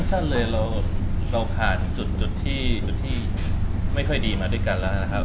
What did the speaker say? สั้นเลยเราผ่านจุดที่จุดที่ไม่ค่อยดีมาด้วยกันแล้วนะครับ